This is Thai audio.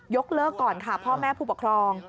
เลิกก่อนค่ะพ่อแม่ผู้ปกครอง